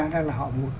đó là họ muốn